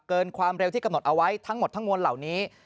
เกินความเร็วที่กำหนดเอาไว้ทั้งหมดทั้งมวลเหล่านี้